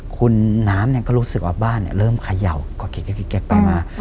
คุณน้ำก็รู้สึกว่าบ้านเริ่มเขย่าก็แก๊กไปมา